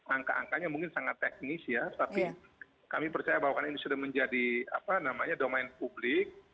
angka angkanya mungkin sangat teknis ya tapi kami percaya bahwa ini sudah menjadi domain publik